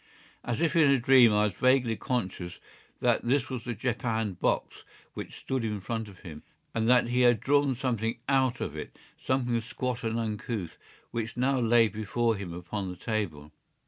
As if in a dream I was vaguely conscious that this was the japanned box which stood in front of him, and that he had drawn something out of it, something squat and uncouth, which now lay before him upon the table.